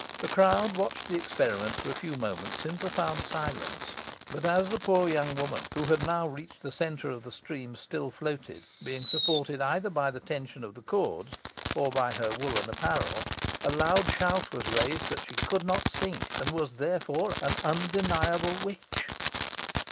The crowd watched the experiment for a few moments in profound silence, but as the poor young woman, who had now reached the centre of the stream, still floated, being supported either by the tension of the cords, or by her woollen apparel, a loud shout was raised that she could not sink, and was, therefore, an undeniable witch.